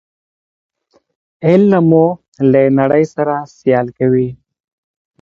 د هغوی په مرسته د پښتو ژبې د غني کولو پراخ اوښتون